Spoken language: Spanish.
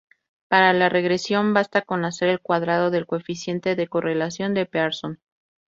Para la regresión basta con hacer el cuadrado del coeficiente de correlación de Pearson.